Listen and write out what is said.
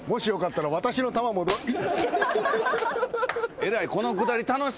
えらい。